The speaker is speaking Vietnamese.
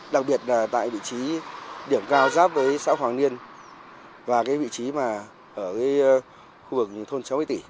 đặc biệt là tại vị trí điểm cao giáp với xã hoàng niên và vị trí ở khu vực thôn cháu vĩ tỉ